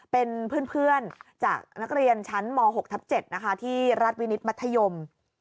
เป็นเพื่อนจากนักเรียนชั้นม๖ทับ๗นะคะที่รัฐวินิตมัธยม